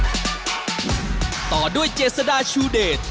กัปตันหน้าเป้ากำลังสำคัญของทีมทหารน้ำราชนาวี